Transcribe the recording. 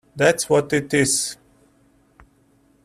That's what it is.